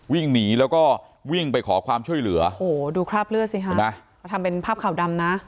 วิ่งหนีแล้วก็วิ่งไปขอความช่วยเหลือโหดูคราบเลือดสิฮะทำเป็นภาพข่าวดำนะ